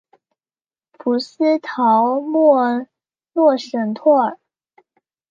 普斯陶莫诺什托尔。